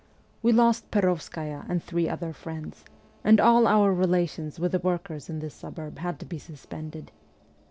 We lost Perovskaya and three other friends, and all our relations with the workers in this suburb had to be suspended.